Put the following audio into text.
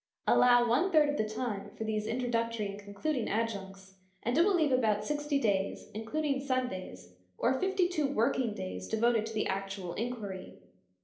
Allow one third of the time for these introductory and concluding adjuncts, and it will leave about sixty days, including Sundays, or fifty two working days devoted to the actual inquiry.